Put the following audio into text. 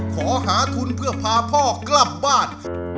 ขอหาทุนเพื่อพาพ่อกลับบ้าน